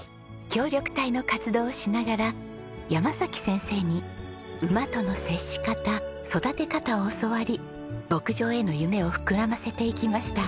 協力隊の活動をしながら山崎先生に馬との接し方育て方を教わり牧場への夢を膨らませていきました。